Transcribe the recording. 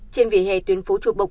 trên vỉa hè tuyến phố chùa bộc